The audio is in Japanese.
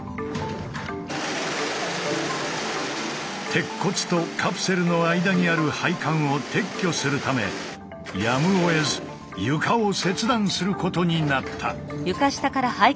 鉄骨とカプセルの間にある配管を撤去するためやむをえず床を切断することになった。